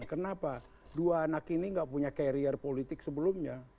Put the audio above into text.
kenapa dua anak ini gak punya karier politik sebelumnya